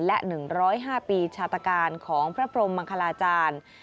และ๑๐๕ปีชาตการของพระพรมมังคลาจารย์